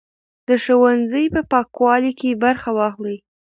د ښوونځي په پاکوالي کې برخه واخلئ.